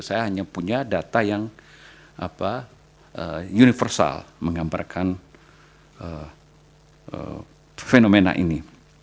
saya hanya punya data yang universal menggambarkan fenomena ini